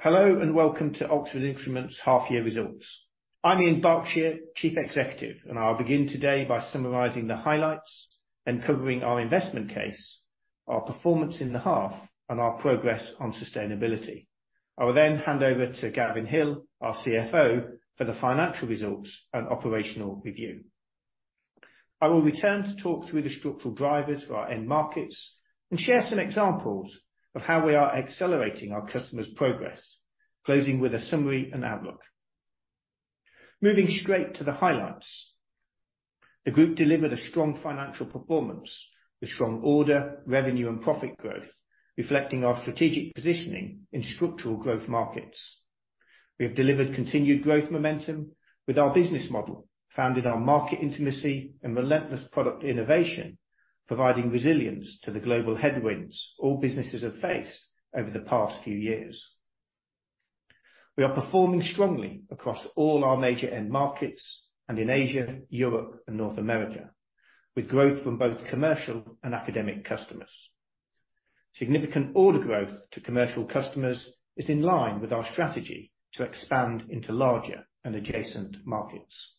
Hello, and welcome to Oxford Instruments' half year results. I'm Ian Barkshire, Chief Executive, and I'll begin today by summarizing the highlights and covering our investment case, our performance in the half, and our progress on sustainability. I will then hand over to Gavin Hill, our CFO, for the financial results and operational review. I will return to talk through the structural drivers for our end markets and share some examples of how we are accelerating our customers' progress, closing with a summary and outlook. Moving straight to the highlights. The group delivered a strong financial performance with strong order, revenue and profit growth, reflecting our strategic positioning in structural growth markets. We have delivered continued growth momentum with our business model, founded on market intimacy and relentless product innovation, providing resilience to the global headwinds all businesses have faced over the past few years. We are performing strongly across all our major end markets and in Asia, Europe and North America, with growth from both commercial and academic customers. Significant order growth to commercial customers is in line with our strategy to expand into larger and adjacent markets.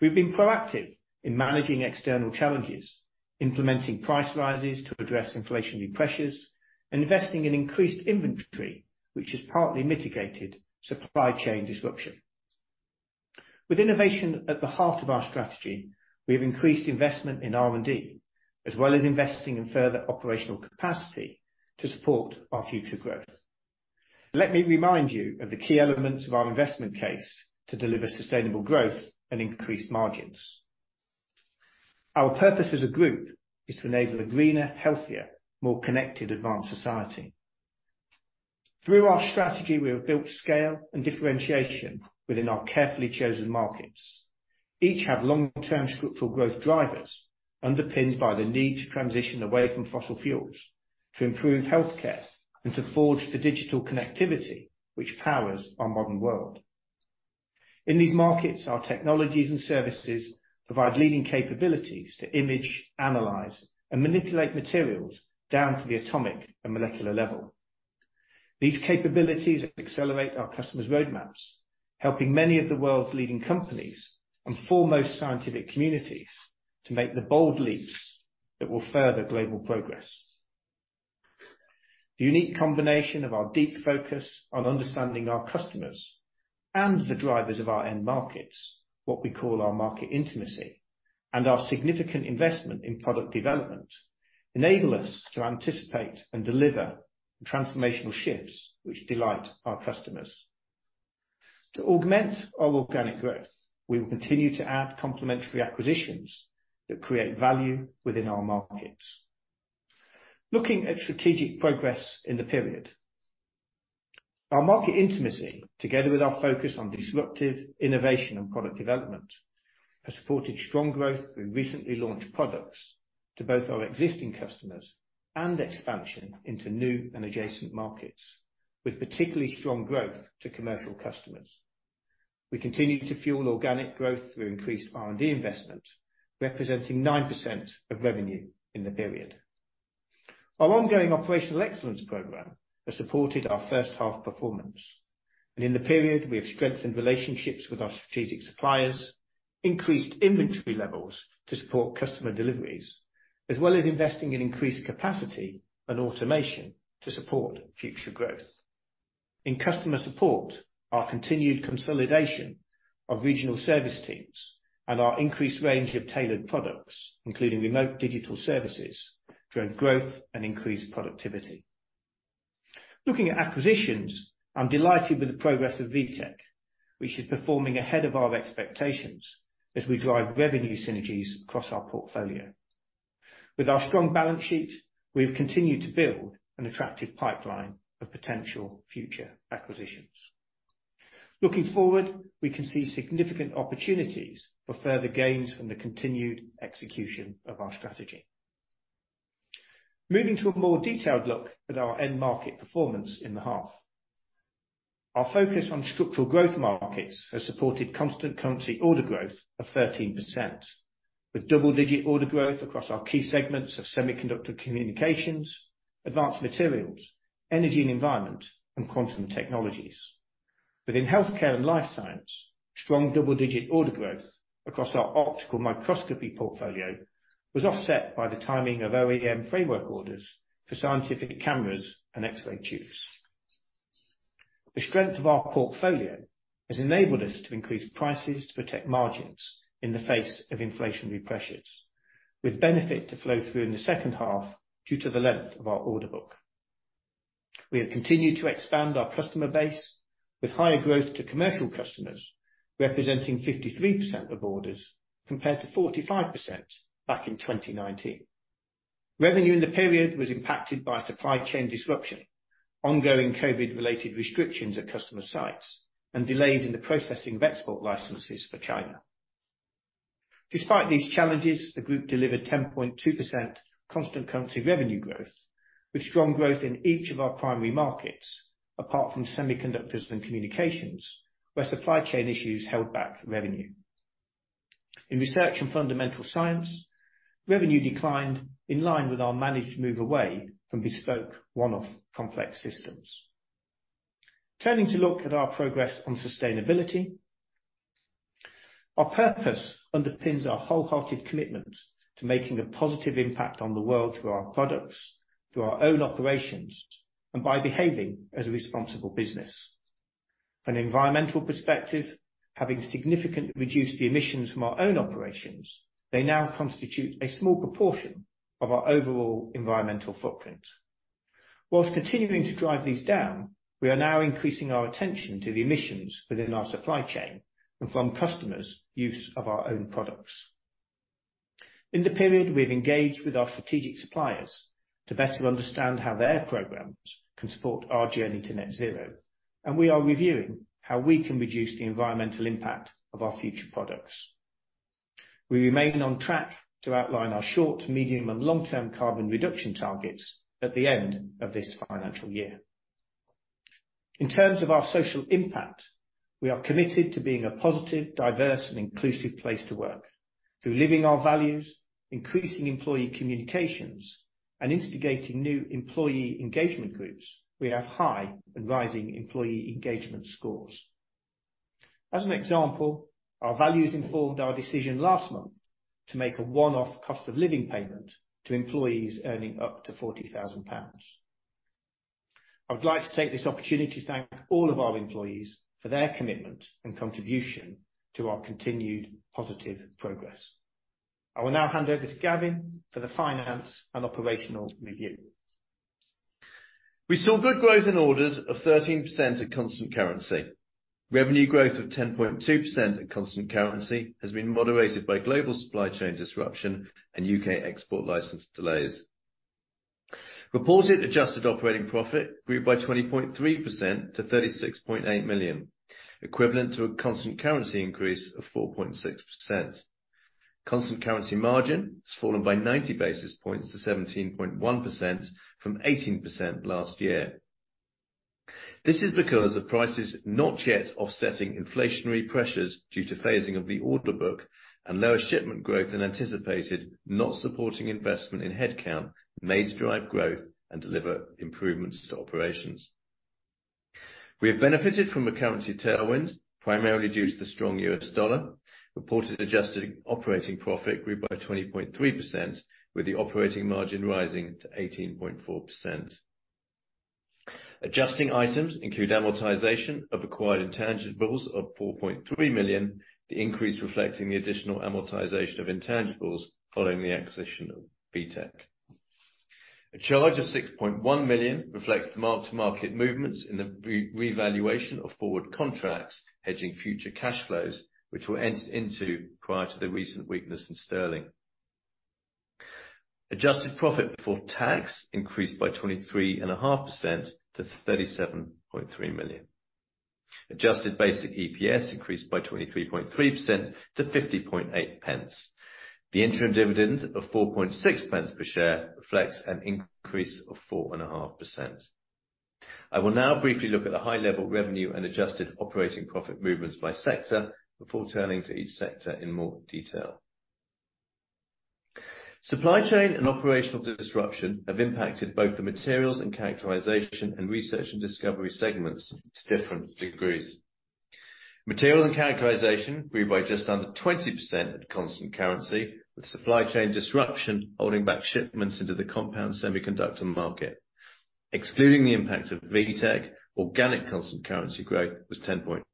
We've been proactive in managing external challenges, implementing price rises to address inflationary pressures, investing in increased inventory, which has partly mitigated supply chain disruption. With innovation at the heart of our strategy, we have increased investment in R&D, as well as investing in further operational capacity to support our future growth. Let me remind you of the key elements of our investment case to deliver sustainable growth and increased margins. Our purpose as a group is to enable a greener, healthier, more connected, advanced society. Through our strategy, we have built scale and differentiation within our carefully chosen markets. Each have long-term structural growth drivers underpinned by the need to transition away from fossil fuels, to improve healthcare, and to forge the digital connectivity which powers our modern world. In these markets, our technologies and services provide leading capabilities to image, analyze, and manipulate materials down to the atomic and molecular level. These capabilities accelerate our customers' roadmaps, helping many of the world's leading companies and foremost scientific communities to make the bold leaps that will further global progress. The unique combination of our deep focus on understanding our customers and the drivers of our end markets, what we call our market intimacy, and our significant investment in product development, enable us to anticipate and deliver the transformational shifts which delight our customers. To augment our organic growth, we will continue to add complementary acquisitions that create value within our markets. Looking at strategic progress in the period. Our market intimacy, together with our focus on disruptive innovation and product development, has supported strong growth through recently launched products to both our existing customers and expansion into new and adjacent markets, with particularly strong growth to commercial customers. We continue to fuel organic growth through increased R&D investment, representing 9% of revenue in the period. Our ongoing operational excellence program has supported our first half performance. In the period, we have strengthened relationships with our strategic suppliers, increased inventory levels to support customer deliveries, as well as investing in increased capacity and automation to support future growth. In customer support, our continued consolidation of regional service teams and our increased range of tailored products, including remote digital services, drove growth and increased productivity. Looking at acquisitions, I'm delighted with the progress of WITec, which is performing ahead of our expectations as we drive revenue synergies across our portfolio. With our strong balance sheet, we have continued to build an attractive pipeline of potential future acquisitions. Looking forward, we can see significant opportunities for further gains from the continued execution of our strategy. Moving to a more detailed look at our end market performance in the half. Our focus on structural growth markets has supported constant currency order growth of 13%, with double-digit order growth across our key segments of Semiconductor and Communications, Advanced Materials, Energy and Environment, and Quantum Technology. Within Healthcare and Life Science, strong double-digit order growth across our optical microscopy portfolio was offset by the timing of OEM framework orders for scientific cameras and X-ray tubes. The strength of our portfolio has enabled us to increase prices to protect margins in the face of inflationary pressures, with benefit to flow through in the second half due to the length of our order book. We have continued to expand our customer base with higher growth to commercial customers, representing 53% of orders, compared to 45% back in 2019. Revenue in the period was impacted by supply chain disruption, ongoing COVID-related restrictions at customer sites, and delays in the processing of export licenses for China. Despite these challenges, the group delivered 10.2% constant currency revenue growth, with strong growth in each of our primary markets, apart from Semiconductors and Communications, where supply chain issues held back revenue. In Research and Fundamental Science, revenue declined in line with our managed move away from bespoke one-off complex systems. Turning to look at our progress on sustainability. Our purpose underpins our wholehearted commitment to making a positive impact on the world through our products, through our own operations, and by behaving as a responsible business. From an environmental perspective, having significantly reduced the emissions from our own operations, they now constitute a small proportion of our overall environmental footprint. While continuing to drive these down, we are now increasing our attention to the emissions within our supply chain and from customers' use of our own products. In the period, we've engaged with our strategic suppliers to better understand how their programs can support our journey to net zero, and we are reviewing how we can reduce the environmental impact of our future products. We remain on track to outline our short, medium, and long-term carbon reduction targets at the end of this financial year. In terms of our social impact, we are committed to being a positive, diverse, and inclusive place to work. Through living our values, increasing employee communications, and instigating new employee engagement groups, we have high and rising employee engagement scores. As an example, our values informed our decision last month to make a one-off cost of living payment to employees earning up to 40,000 pounds. I would like to take this opportunity to thank all of our employees for their commitment and contribution to our continued positive progress. I will now hand over to Gavin for the finance and operational review. We saw good growth in orders of 13% at constant currency. Revenue growth of 10.2% at constant currency has been moderated by global supply chain disruption and U.K. export license delays. Reported adjusted operating profit grew by 20.3% to 36.8 million, equivalent to a constant currency increase of 4.6%. Constant currency margin has fallen by 90 basis points to 17.1% from 18% last year. This is because of prices not yet offsetting inflationary pressures due to phasing of the order book and lower shipment growth than anticipated, not supporting investment in headcount, made to drive growth, and deliver improvements to operations. We have benefited from a currency tailwind, primarily due to the strong U.S. dollar. Reported adjusted operating profit grew by 20.3%, with the operating margin rising to 18.4%. Adjusting items include amortization of acquired intangibles of 4.3 million, the increase reflecting the additional amortization of intangibles following the acquisition of WITec. A charge of 6.1 million reflects the mark-to-market movements in the revaluation of forward contracts, hedging future cash flows, which were entered into prior to the recent weakness in sterling. Adjusted profit before tax increased by 23.5% to 37.3 million. Adjusted basic EPS increased by 23.3% to 0.508. The interim dividend of 0.046 per share reflects an increase of 4.5%. I will now briefly look at the high level revenue and adjusted operating profit movements by sector before turning to each sector in more detail. Supply chain and operational disruption have impacted both the Materials and Characterization and Research and Discovery segments to different degrees. Materials and Characterization grew by just under 20% at constant currency, with supply chain disruption holding back shipments into the compound semiconductor market. Excluding the impact of WITec, organic constant currency growth was 10.8%.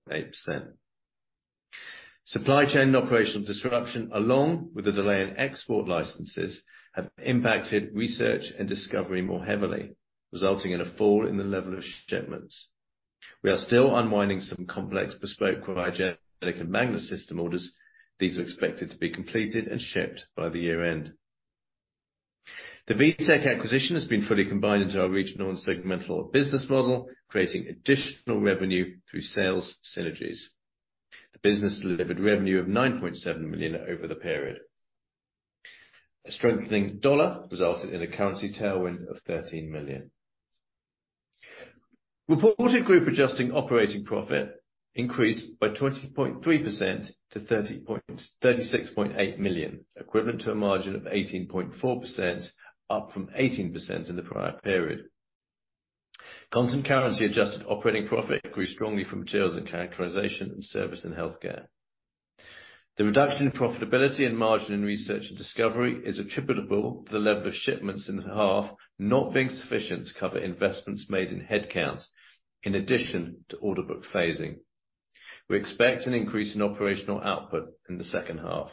Supply chain operational disruption, along with the delay in export licenses, have impacted Research and Discovery more heavily, resulting in a fall in the level of shipments. We are still unwinding some complex bespoke cryogenic and magnet system orders. These are expected to be completed and shipped by the year-end. The WITec acquisition has been fully combined into our regional and segmental business model, creating additional revenue through sales synergies. The business delivered revenue of 9.7 million over the period. A strengthening dollar resulted in a currency tailwind of 13 million. Reported group adjusting operating profit increased by 20.3% to 36.8 million, equivalent to a margin of 18.4%, up from 18% in the prior period. Constant currency adjusted operating profit grew strongly from Materials and Characterization and Service and Healthcare. The reduction in profitability and margin in Research and Discovery is attributable to the level of shipments in half, not being sufficient to cover investments made in headcounts in addition to order book phasing. We expect an increase in operational output in the second half.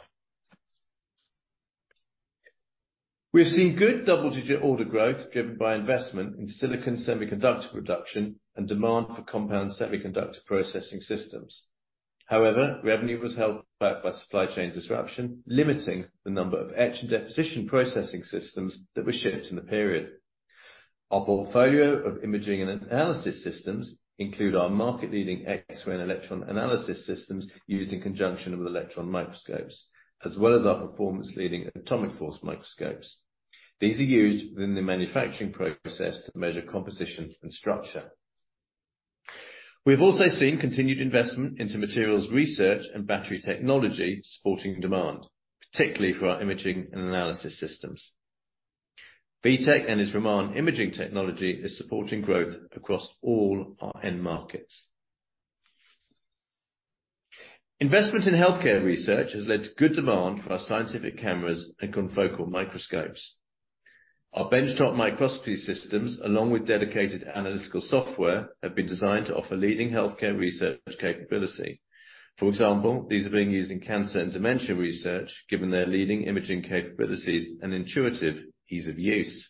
We have seen good double-digit order growth driven by investment in silicon semiconductor production and demand for compound semiconductor processing systems. However, revenue was held back by supply chain disruption, limiting the number of etch and deposition processing systems that were shipped in the period. Our portfolio of imaging and analysis systems include our market-leading X-ray and electron analysis systems used in conjunction with electron microscopes, as well as our performance leading atomic force microscopes. These are used within the manufacturing process to measure composition and structure. We've also seen continued investment into materials research and battery technology supporting demand, particularly for our imaging and analysis systems. WITec and its Raman imaging technology is supporting growth across all our end markets. Investment in healthcare research has led to good demand for our scientific cameras and confocal microscopes. Our benchtop microscopy systems, along with dedicated analytical software, have been designed to offer leading healthcare research capability. For example, these are being used in cancer and dementia research given their leading imaging capabilities and intuitive ease of use.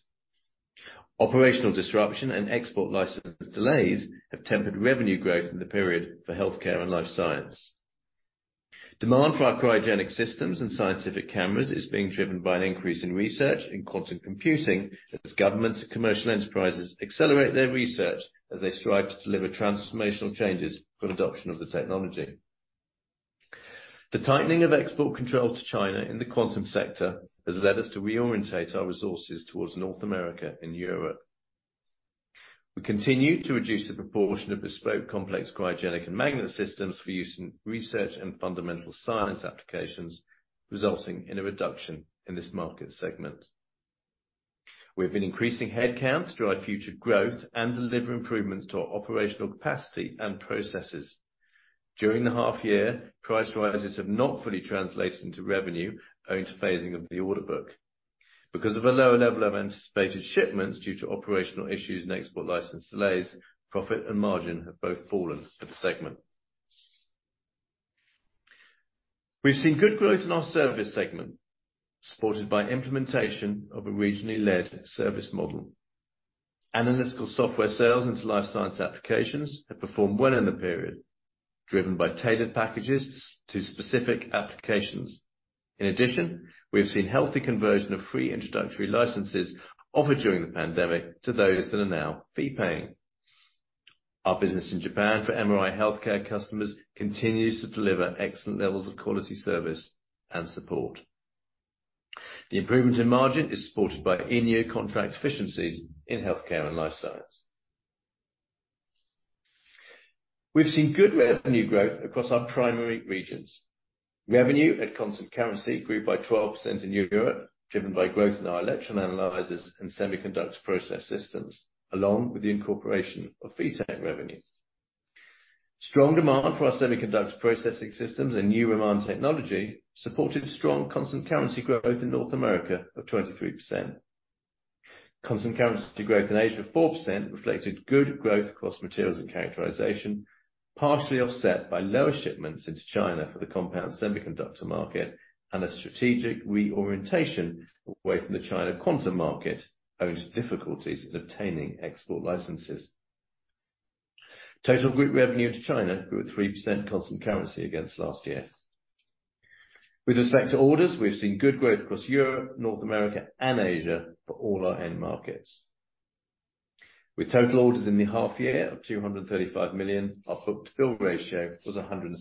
Operational disruption and export license delays have tempered revenue growth in the period for Healthcare and Life Science. Demand for our cryogenic systems and scientific cameras is being driven by an increase in research in quantum computing as governments and commercial enterprises accelerate their research as they strive to deliver transformational changes from adoption of the technology. The tightening of export control to China in the quantum sector has led us to re-orientate our resources towards North America and Europe. We continue to reduce the proportion of bespoke, complex, cryogenic and magnet systems for use in Research and Fundamental Science applications, resulting in a reduction in this market segment. We've been increasing headcounts to drive future growth and deliver improvements to our operational capacity and processes. During the half year, price rises have not fully translated into revenue owing to phasing of the order book. Because of a lower level of anticipated shipments due to operational issues and export license delays, profit and margin have both fallen for the segment. We've seen good growth in our service segment, supported by implementation of a regionally-led service model. Analytical software sales into Life Science applications have performed well in the period, driven by tailored packages to specific applications. In addition, we have seen healthy conversion of free introductory licenses offered during the pandemic to those that are now fee paying. Our business in Japan for MRI healthcare customers continues to deliver excellent levels of quality service and support. The improvement in margin is supported by in-year contract efficiencies in Healthcare and Life Science. We've seen good revenue growth across our primary regions. Revenue at constant currency grew by 12% in Europe, driven by growth in our electron analyzers and semiconductor process systems, along with the incorporation of WITec revenue. Strong demand for our semiconductor processing systems and new Raman technology supported strong constant currency growth in North America of 23%. Constant currency growth in Asia of 4% reflected good growth across Materials and Characterization, partially offset by lower shipments into China for the compound semiconductor market and a strategic reorientation away from the China Quantum market owing to difficulties in obtaining export licenses. Total group revenue to China grew at 3% constant currency against last year. With respect to orders, we've seen good growth across Europe, North America, and Asia for all our end markets. With total orders in the half year of 235 million, our book-to-bill ratio was 117%.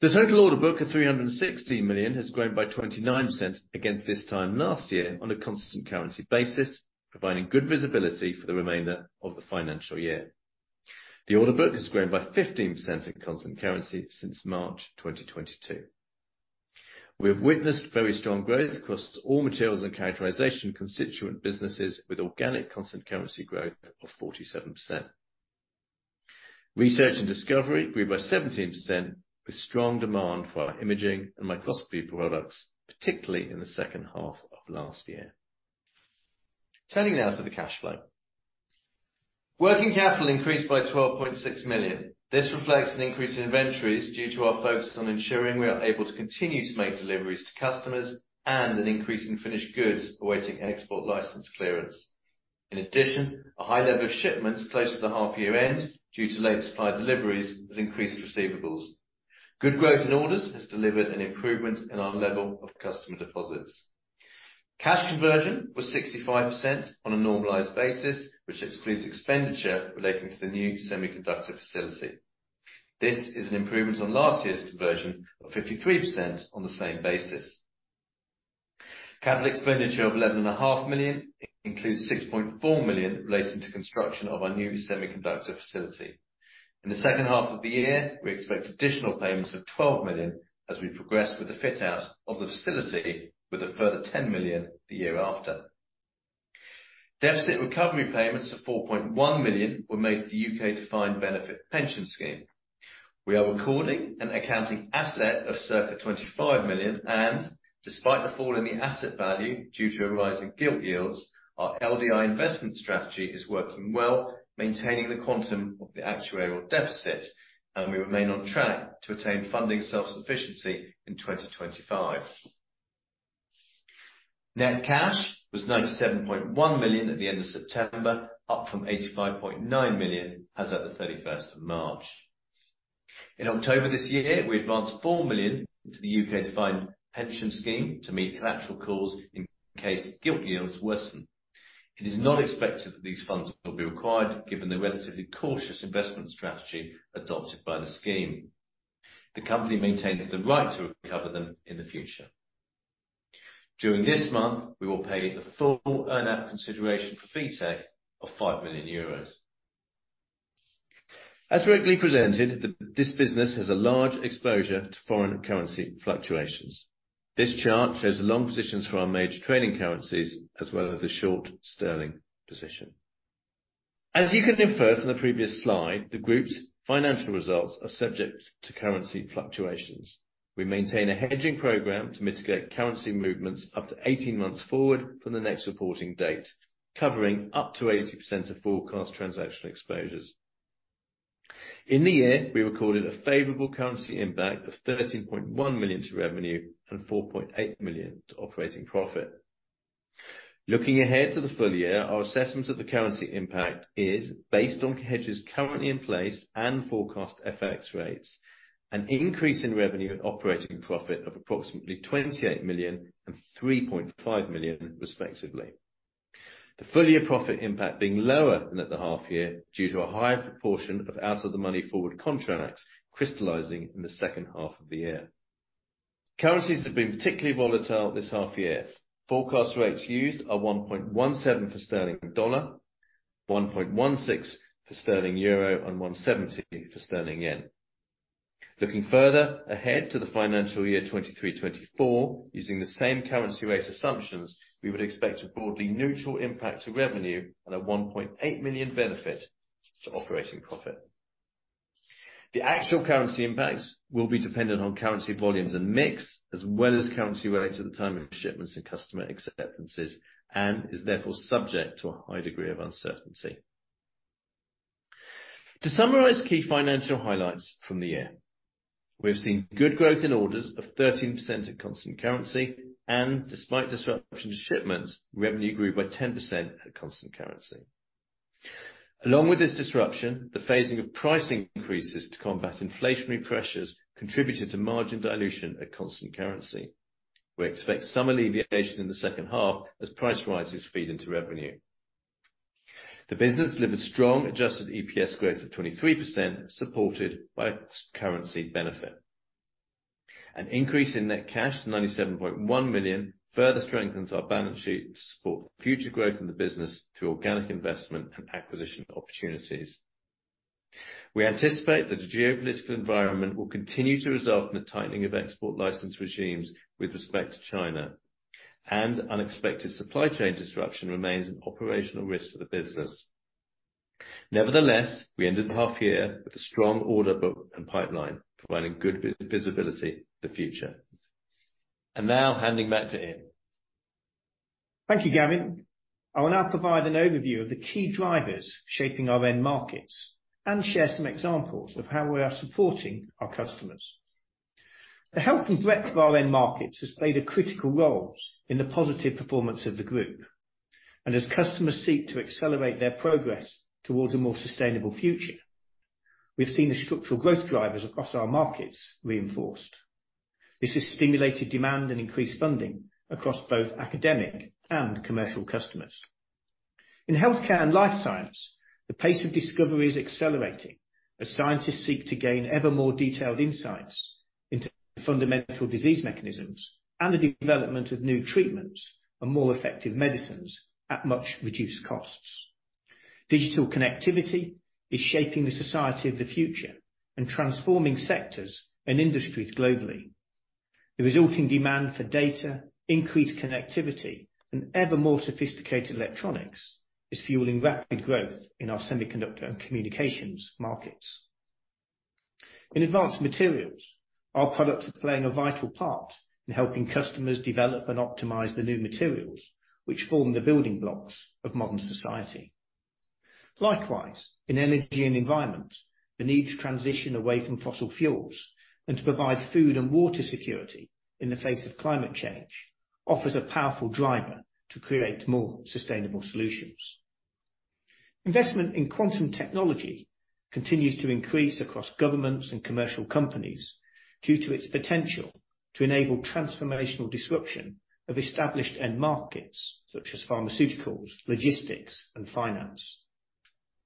The total order book of 360 million has grown by 29% against this time last year on a constant currency basis, providing good visibility for the remainder of the financial year. The order book has grown by 15% in constant currency since March 2022. We have witnessed very strong growth across all Materials and Characterisation constituent businesses with organic constant currency growth of 47%. Research and Discovery grew by 17% with strong demand for our imaging and microscopy products, particularly in the second half of last year. Turning now to the cash flow. Working capital increased by 12.6 million. This reflects an increase in inventories due to our focus on ensuring we are able to continue to make deliveries to customers and an increase in finished goods awaiting export license clearance. In addition, a high level of shipments close to the half year end due to late supply deliveries has increased receivables. Good growth in orders has delivered an improvement in our level of customer deposits. Cash conversion was 65% on a normalized basis, which excludes expenditure relating to the new semiconductor facility. This is an improvement on last year's conversion of 53% on the same basis. Capital expenditure of 11.5 million includes 6.4 million relating to construction of our new semiconductor facility. In the second half of the year, we expect additional payments of 12 million as we progress with the fit-out of the facility with a further 10 million the year after. Deficit recovery payments of 4.1 million were made to the U.K. defined benefit pension scheme. We are recording an accounting asset of circa 25 million, and despite the fall in the asset value due to a rise in gilt yields, our LDI investment strategy is working well, maintaining the quantum of the actuarial deficit, and we remain on track to attain funding self-sufficiency in 2025. Net cash was 97.1 million at the end of September, up from 85.9 million as at the thirty-first of March. In October this year, we advanced 4 million into the U.K. defined benefit pension scheme to meet collateral calls in case gilt yields worsen. It is not expected that these funds will be required given the relatively cautious investment strategy adopted by the scheme. The company maintains the right to recover them in the future. During this month, we will pay the full earn-out consideration for Fitech of EUR 5 million. As rightly presented, this business has a large exposure to foreign currency fluctuations. This chart shows long positions for our major trading currencies, as well as the short sterling position. As you can infer from the previous slide, the group's financial results are subject to currency fluctuations. We maintain a hedging program to mitigate currency movements up to 18 months forward from the next reporting date, covering up to 80% of forecast transaction exposures. In the year, we recorded a favorable currency impact of 13.1 million to revenue and 4.8 million to operating profit. Looking ahead to the full year, our assessment of the currency impact is based on hedges currently in place and forecast FX rates, an increase in revenue and operating profit of approximately 28 million and 3.5 million respectively. The full year profit impact being lower than at the half year due to a higher proportion of out of the money forward contracts crystallizing in the second half of the year. Currencies have been particularly volatile this half year. Forecast rates used are 1.17 for sterling dollar, 1.16 for sterling euro, and 170 for sterling yen. Looking further ahead to the financial year 2023/2024, using the same currency rate assumptions, we would expect a broadly neutral impact to revenue and a 1.8 million benefit to operating profit. The actual currency impact will be dependent on currency volumes and mix, as well as currency rates at the time of shipments and customer acceptances, and is therefore subject to a high degree of uncertainty. To summarize key financial highlights from the year, we have seen good growth in orders of 13% at constant currency, and despite disruption to shipments, revenue grew by 10% at constant currency. Along with this disruption, the phasing of pricing increases to combat inflationary pressures contributed to margin dilution at constant currency. We expect some alleviation in the second half as price rises feed into revenue. The business delivered strong adjusted EPS growth of 23%, supported by currency benefit. An increase in net cash to 97.1 million further strengthens our balance sheet to support future growth in the business through organic investment and acquisition opportunities. We anticipate that the geopolitical environment will continue to result in the tightening of export license regimes with respect to China, and unexpected supply chain disruption remains an operational risk to the business. Nevertheless, we ended the half year with a strong order book and pipeline, providing good visibility for the future. Now handing back to Ian. Thank you, Gavin. I will now provide an overview of the key drivers shaping our end markets and share some examples of how we are supporting our customers. The health and breadth of our end markets has played a critical role in the positive performance of the group, and as customers seek to accelerate their progress towards a more sustainable future, we've seen the structural growth drivers across our markets reinforced. This has stimulated demand and increased funding across both academic and commercial customers. In Healthcare and Life Science, the pace of discovery is accelerating as scientists seek to gain ever more detailed insights into fundamental disease mechanisms and the development of new treatments and more effective medicines at much reduced costs. Digital connectivity is shaping the society of the future and transforming sectors and industries globally. The resulting demand for data, increased connectivity, and ever more sophisticated electronics is fueling rapid growth in our Semiconductor and Communications markets. In Advanced Materials, our products are playing a vital part in helping customers develop and optimize the new materials which form the building blocks of modern society. Likewise, in Energy and Environment, the need to transition away from fossil fuels and to provide food and water security in the face of climate change offers a powerful driver to create more sustainable solutions. Investment in Quantum Technology continues to increase across governments and commercial companies due to its potential to enable transformational disruption of established end markets such as pharmaceuticals, logistics, and finance.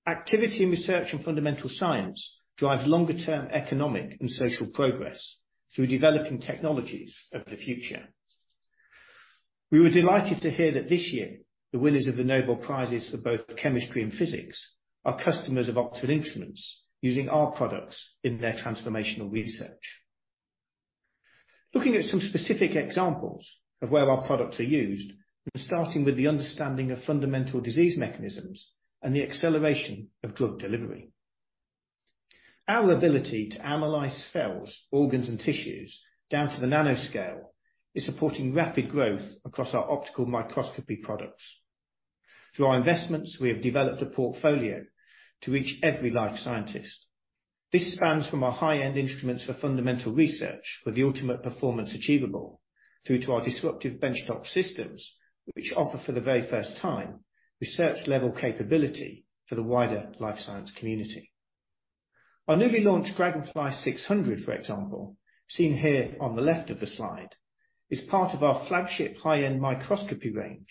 Activity in Research and Fundamental Science drives longer term economic and social progress through developing technologies of the future. We were delighted to hear that this year the winners of the Nobel Prizes for both chemistry and physics are customers of Oxford Instruments, using our products in their transformational research. Looking at some specific examples of where our products are used, and starting with the understanding of fundamental disease mechanisms and the acceleration of drug delivery. Our ability to analyze cells, organs, and tissues down to the nanoscale is supporting rapid growth across our optical microscopy products. Through our investments, we have developed a portfolio to reach every life scientist. This spans from our high-end instruments for fundamental research with the ultimate performance achievable, through to our disruptive benchtop systems, which offer for the very first time research-level capability for the wider life science community. Our newly launched Dragonfly 600, for example, seen here on the left of the slide, is part of our flagship high-end microscopy range.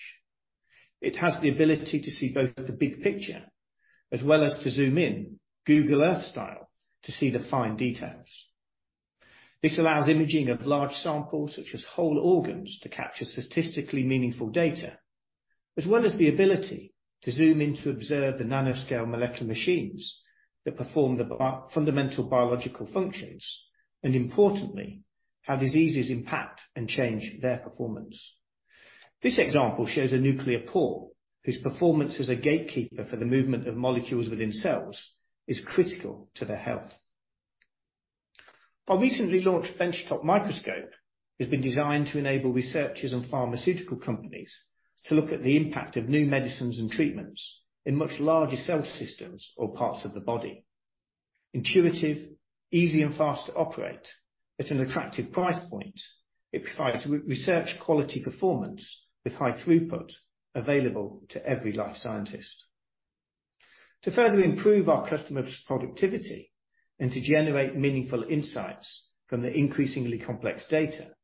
It has the ability to see both the big picture as well as to zoom in, Google Earth style, to see the fine details. This allows imaging of large samples, such as whole organs, to capture statistically meaningful data, as well as the ability to zoom in to observe the nanoscale molecular machines that perform the fundamental biological functions, and importantly, how diseases impact and change their performance. This example shows a nuclear pore whose performance as a gatekeeper for the movement of molecules within cells is critical to their health. Our recently launched benchtop microscope has been designed to enable researchers and pharmaceutical companies to look at the impact of new medicines and treatments in much larger cell systems or parts of the body. Intuitive, easy and fast to operate at an attractive price point. It provides research quality performance with high throughput available to every life scientist. To further improve our customers' productivity and to generate meaningful insights from the increasingly complex data,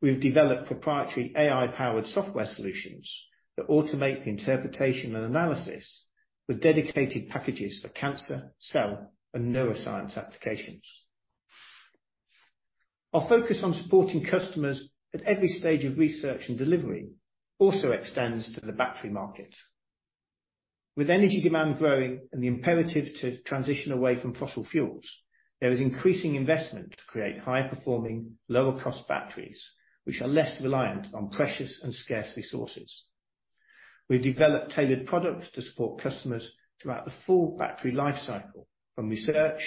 we've developed proprietary AI-powered software solutions that automate the interpretation and analysis with dedicated packages for cancer, cell, and neuroscience applications. Our focus on supporting customers at every stage of research and delivery also extends to the battery market. With energy demand growing and the imperative to transition away from fossil fuels, there is increasing investment to create high-performing, lower-cost batteries, which are less reliant on precious and scarce resources. We've developed tailored products to support customers throughout the full battery life cycle, from research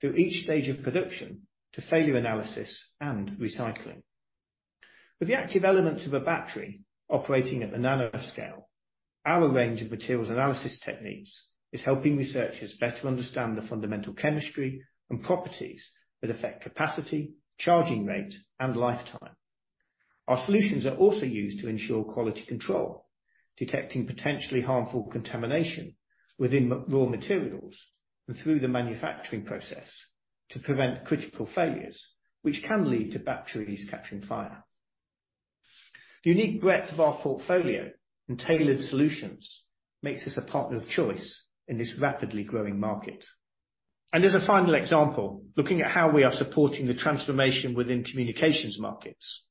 through each stage of production to failure analysis and recycling. With the active elements of a battery operating at the nanoscale, our range of materials analysis techniques is helping researchers better understand the fundamental chemistry and properties that affect capacity, charging rate, and lifetime. Our solutions are also used to ensure quality control, detecting potentially harmful contamination within raw materials and through the manufacturing process to prevent critical failures which can lead to batteries catching fire. The unique breadth of our portfolio and tailored solutions makes us a partner of choice in this rapidly growing market. As a final example, looking at how we are supporting the transformation within Communications markets.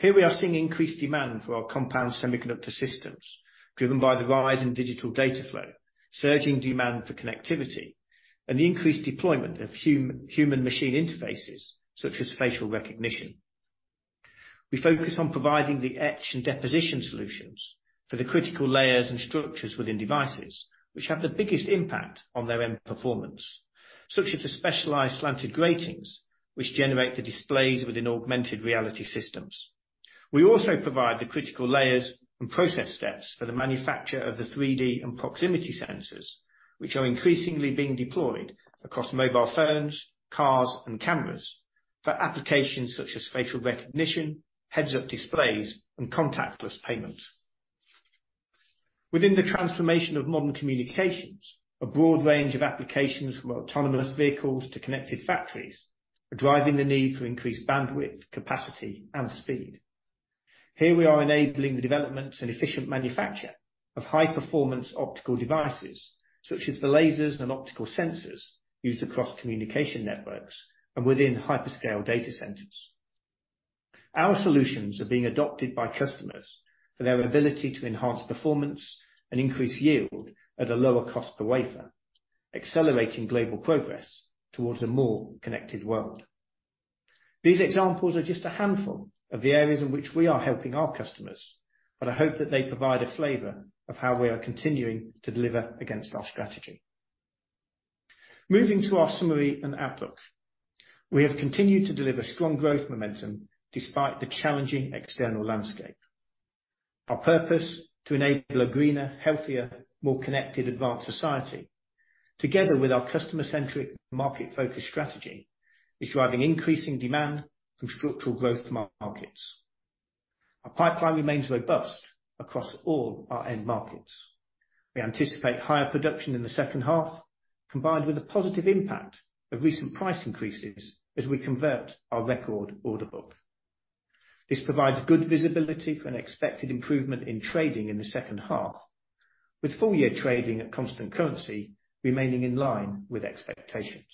Here we are seeing increased demand for our compound semiconductor systems, driven by the rise in digital data flow, surging demand for connectivity, and the increased deployment of human machine interfaces such as facial recognition. We focus on providing the etch and deposition solutions for the critical layers and structures within devices which have the biggest impact on their end performance, such as the specialized slanted gratings which generate the displays within augmented reality systems. We also provide the critical layers and process steps for the manufacture of the 3D and proximity sensors, which are increasingly being deployed across mobile phones, cars, and cameras for applications such as facial recognition, heads-up displays, and contactless payments. Within the transformation of modern communications, a broad range of applications from autonomous vehicles to connected factories are driving the need for increased bandwidth, capacity, and speed. Here we are enabling the development and efficient manufacture of high-performance optical devices such as the lasers and optical sensors used across communication networks and within hyperscale data centers. Our solutions are being adopted by customers for their ability to enhance performance and increase yield at a lower cost per wafer, accelerating global progress towards a more connected world. These examples are just a handful of the areas in which we are helping our customers, but I hope that they provide a flavor of how we are continuing to deliver against our strategy. Moving to our summary and outlook. We have continued to deliver strong growth momentum despite the challenging external landscape. Our purpose to enable a greener, healthier, more connected advanced society, together with our customer-centric market focus strategy, is driving increasing demand from structural growth markets. Our pipeline remains robust across all our end markets. We anticipate higher production in the second half, combined with a positive impact of recent price increases as we convert our record order book. This provides good visibility for an expected improvement in trading in the second half, with full year trading at constant currency remaining in line with expectations.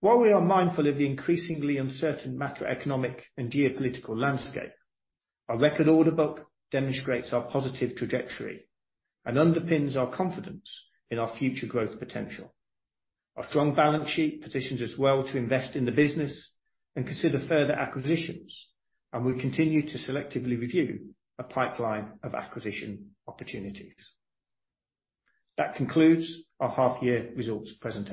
While we are mindful of the increasingly uncertain macroeconomic and geopolitical landscape, our record order book demonstrates our positive trajectory and underpins our confidence in our future growth potential. Our strong balance sheet positions us well to invest in the business and consider further acquisitions, and we continue to selectively review a pipeline of acquisition opportunities. That concludes our half year results presentation.